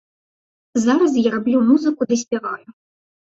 Зараз я раблю музыку ды спяваю.